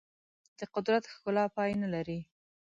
د قدرت ښکلا پای نه لري.